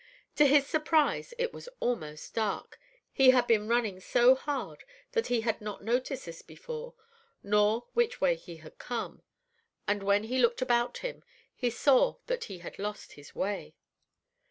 To his surprise it was almost dark. He had been running so hard that he had not noticed this before, nor which way he had come, and when he looked about him, he saw that he had lost his way.